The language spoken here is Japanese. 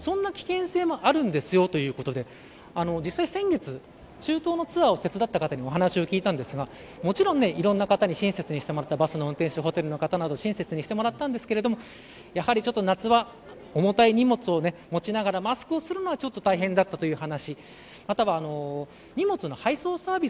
そんな危険性もあるんですよということで実際に先月、中東のツアーを手伝った方にもお話を聞いたんですがもちろん、いろんな方から親切にしてもらったバスの運転手やホテルの方など親切にしてもらったんですけどやはり夏場、重たい荷物を持ちながらマスクをするのはちょっと大変だったという話。